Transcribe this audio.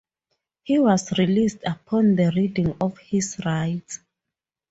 He was released upon the reading of his rights.